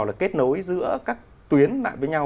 là kết nối giữa các tuyến lại với nhau